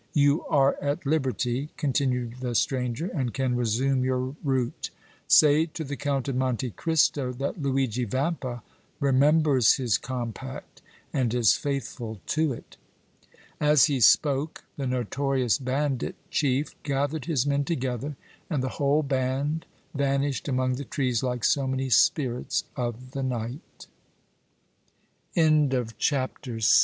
"You are at liberty," continued the stranger, "and can resume your route. Say to the Count of Monte Cristo that Luigi Vampa remembers his compact and is faithful to it!" As he spoke the notorious bandit chief gathered his men together, and the whole band vanished among the trees like so many spirits of the night. CHAPTER VII.